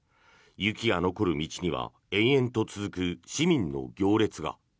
雪が残る道には延々と続く市民の行列が。